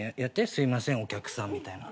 「すいませんお客さん」みたいな。